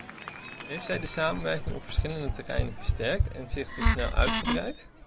Heeft zij de samenwerking op verschillende terreinen versterkt en zich te snel uitgebreid?